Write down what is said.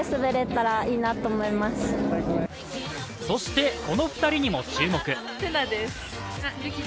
そして、この２人にも注目。